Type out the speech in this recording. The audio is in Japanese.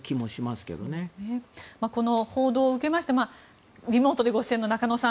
この報道を受けましてリモートでご出演の中野さん